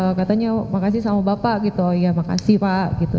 saya tanya makasih sama bapak gitu oh iya makasih pak gitu